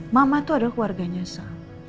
mama itu adalah keluarganya sal